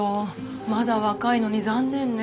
まだ若いのに残念ねぇ。